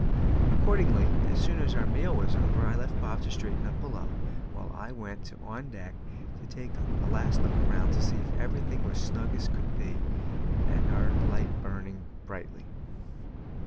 Accordingly, as soon as our meal was over, I left Bob to straighten up below, while I went on deck to take a last look round and see that everything was snug and as it should be, and our light burning brightly.